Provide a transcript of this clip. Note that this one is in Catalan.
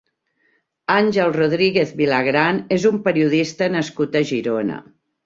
Àngel Rodríguez Vilagran és un periodista nascut a Girona.